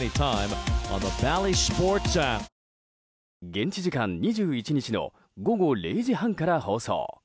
現地時間２１日の午後０時半から放送。